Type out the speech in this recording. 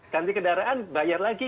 ganti kendaraan bayar lagi